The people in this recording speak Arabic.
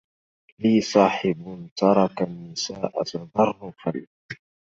لي صاحب ترك النساء تظرفا